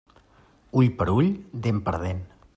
Ull per ull, dent per dent.